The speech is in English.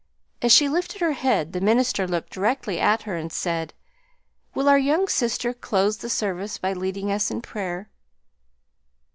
As she lifted her head the minister looked directly at her and said, "Will our young sister close the service by leading us in prayer?"